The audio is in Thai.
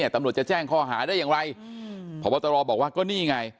ตำรวจจะแจ้งข้อหาได้อย่างไรพบตรบอกว่าก็นี่ไง